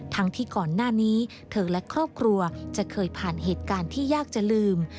ทั้งที่ก่อนหน้านี้เธอและครอบครัวจะเคยผ่านเหตุการณ์ที่ยากจะลืม